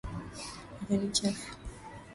Meza ni chafu.